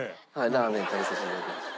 ラーメン食べさせて頂きました。